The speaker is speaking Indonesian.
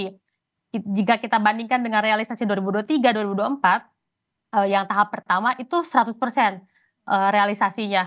jadi jika kita bandingkan dengan realisasi dua ribu dua puluh tiga dua ribu dua puluh empat yang tahap pertama itu seratus realisasinya